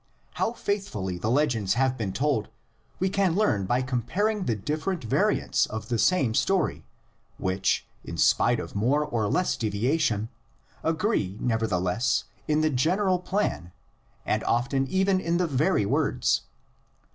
How faithfully the legends have been told we can learn by comparing the different variants of the same story, which, in spite of more or less deviation, agree nevertheless in the general plan and often even in the very words.